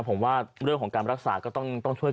ผมว่าเรื่องของการรักษาก็ต้องช่วย